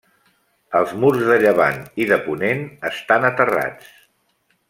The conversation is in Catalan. Els murs de llevant i de ponent estan aterrats.